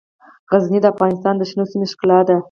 غزني د افغانستان د شنو سیمو ښکلا ده.